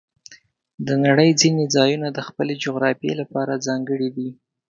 د نړۍ ځینې ځایونه د خپلې جغرافیې لپاره ځانګړي دي.